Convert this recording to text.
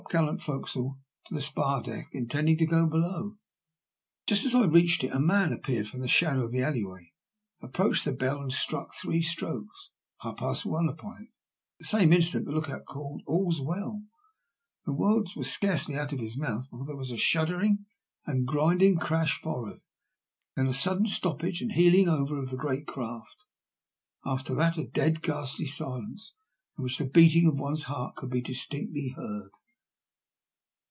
the topgallant fo'c'ele to the spar deck, intending to go below, but just as I reached it a man appeared from the shadow of the alley way, approached the bell, and struck three strokes — half past one — upon it. At the same instant the look out called *' All's well !" The words were scarcely out of his mouth before there was a shuddering and grinding crash forrard, then a sudden stoppage and heeling over of the great craft, and after that a dead, ghastly silence, in which the beating of one's heart could be distinctly heard.